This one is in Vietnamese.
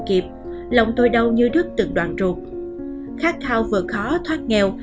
khát khao vừa khó thoát nghèo